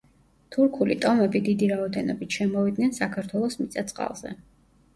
თურქული ტომები დიდი რაოდენობით შემოვიდნენ საქართველოს მიწა-წყალზე.